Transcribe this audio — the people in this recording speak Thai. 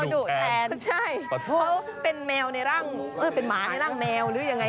คือท่าเกิดใครคนแปลกหน้าขึ้นบ้านเค้าจะทำยังไง